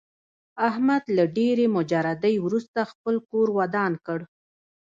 احمد له ډېرې مجردۍ ورسته خپل کور ودان کړ.